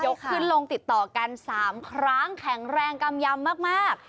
ขึ้นลงติดต่อกัน๓ครั้งแข็งแรงกำยำมาก